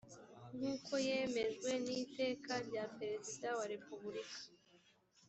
nk’uko yemejwe n’iteka rya perezida wa repubulika